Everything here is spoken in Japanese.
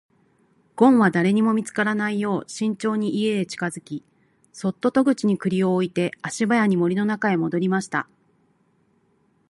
ごんは誰にも見つからないよう慎重に家へ近づき、そっと戸口に栗を置いて足早に森の中へ戻りました。